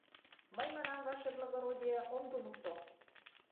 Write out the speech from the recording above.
— Мый, манам, ваше благородие, ом туныкто.